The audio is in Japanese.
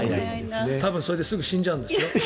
それですぐ死んじゃうんですよ。